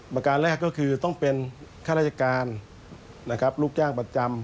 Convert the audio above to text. ประการแรกก็คือต้องเป็นข้าราชการนะครับลูกจ้างประจำ